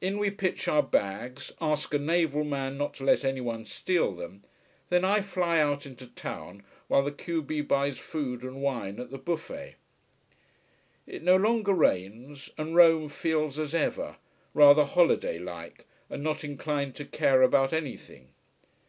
In we pitch our bags, ask a naval man not to let anyone steal them, then I fly out into town while the q b buys food and wine at the buffet. It no longer rains, and Rome feels as ever rather holiday like and not inclined to care about anything.